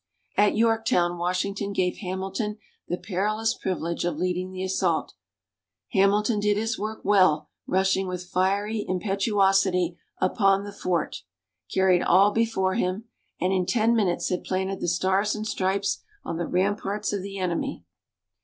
At Yorktown, Washington gave Hamilton the perilous privilege of leading the assault. Hamilton did his work well, rushing with fiery impetuosity upon the fort carried all before him, and in ten minutes had planted the Stars and Stripes on the ramparts of the enemy.